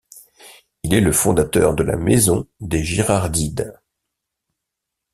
Il est le fondateur de la Maison des Girardides.